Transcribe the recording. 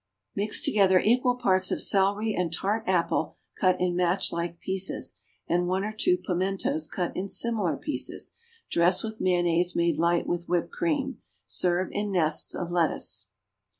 = Mix together equal parts of celery and tart apple cut in match like pieces, and one or two pimentos cut in similar pieces. Dress with mayonnaise made light with whipped cream. Serve in nests of lettuce.